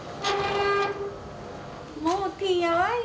もうてんやわんや。